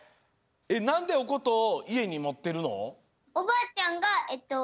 なんでおことをいえにもってるの？